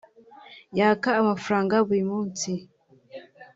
yaka amafaranga buri munsi